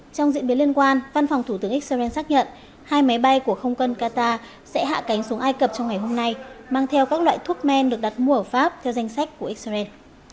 trong diễn biến liên quan văn phòng thủ tướng israel xác nhận hai máy bay của không cân qatar sẽ hạ cánh xuống ai cập trong ngày hôm nay mang theo các loại thuốc men được đặt mua ở pháp theo danh sách của israel